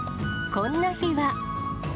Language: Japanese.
こんな日は。